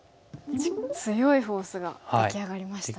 強いフォースが出来上がりましたね。